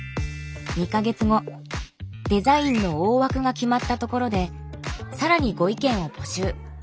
デザインの大枠が決まったところで更にご意見を募集。